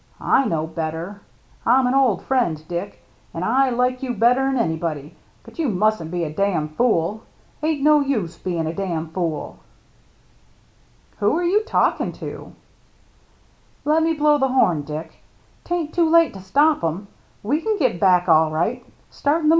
I know better. I'm an old friend, Dick, and I like you better'n anybody, but you mustn't be a dam' fool. Ain't no use bein' a dam' fool." " Who are you talking to ?"" Lemme blow the horn, Dick. 'Taint too late to stop 'em. We can get back all right — start in the mornin'.